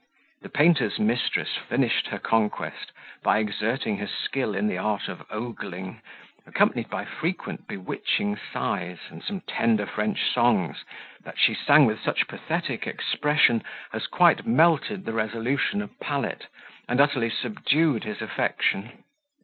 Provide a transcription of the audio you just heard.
The painter's mistress finished her conquest, by exerting her skill in the art of ogling, accompanied by frequent bewitching sighs and some tender French songs, that she sang with such pathetic expression, as quite melted the resolution of Pallet, and utterly subdued his affection.